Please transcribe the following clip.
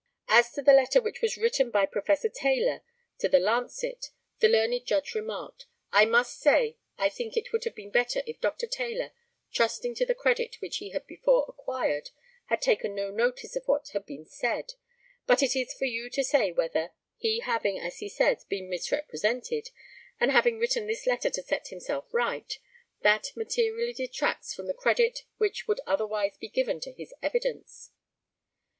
As to the letter which was written by Professor Taylor to the Lancet, the learned Judge remarked: I must say I think it would have been better if Dr. Taylor, trusting to the credit which he had before acquired, had taken no notice of what had been said; but it is for you to say whether, he having, as he says, been misrepresented, and having written this letter to set himself right, that materially detracts from the credit which would otherwise be given to his evidence.